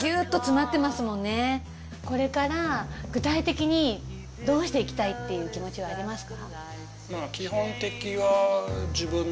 これから具体的にどうしていきたいっていう気持ちはありますか？